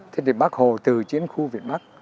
thế thì bác hồ từ chiến khu việt bắc